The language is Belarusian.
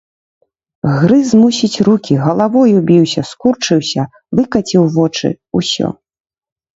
Грыз, мусіць, рукі, галавою біўся, скурчыўся, выкаціў вочы, усё.